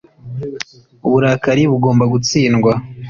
Uburakari bugomba gutsindwa.